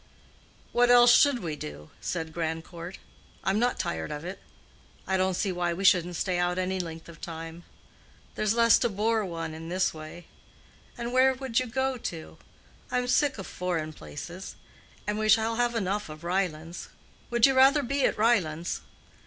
"What else should we do?" said Grandcourt. "I'm not tired of it. I don't see why we shouldn't stay out any length of time. There's less to bore one in this way. And where would you go to? I'm sick of foreign places. And we shall have enough of Ryelands. Would you rather be at Ryelands?"